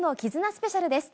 スペシャルです。